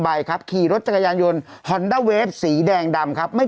ครับขี่รถจักรยานยนต์ฮอนด้าเวฟสีแดงดำครับไม่